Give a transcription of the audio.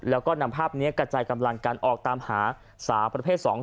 แล้วก็นำภาพนี้กระจายกำลังกันออกตามหาสาวประเภท๒